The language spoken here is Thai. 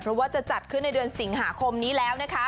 เพราะว่าจะจัดขึ้นในเดือนสิงหาคมนี้แล้วนะคะ